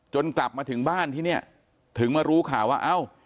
กลับมาถึงบ้านที่เนี่ยถึงมารู้ข่าวว่าเอ้า